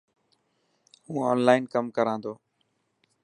هون اونلان ڪم ڪران ٿو.